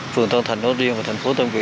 phường tân thạch nó riêng và thành phố tân quỳ